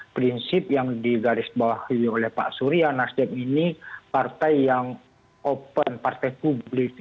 prinsip yang digarisbawahi oleh pak surya nasdem ini partai yang open partai publik